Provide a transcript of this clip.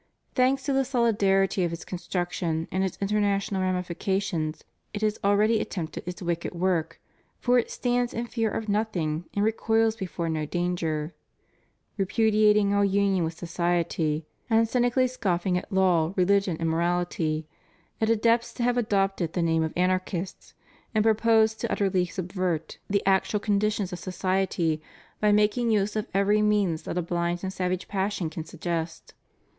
Thanks to the solidarity of its construction and its international ramifications, it has already attempted its wicked work, for it stands in fear of nothing and recoils before no danger. Repudiating all union with society, and cynically scoffing at law, religion, and morality, its adepts have adopted the name of Anarchists, and propose to utterly subvert 5©4 REVIEW OF HIS PONTIFICATE the actual conditions of society by making use of every means that a bhnd and savage passion can suggest.